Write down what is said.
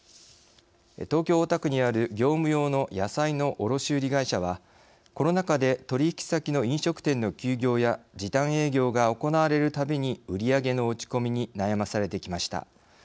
東京、大田区にある業務用の野菜の卸売会社はコロナ禍で取引先の飲食店の休業や時短営業が行われるたびに売り上げの落ち込みに悩まされてきました。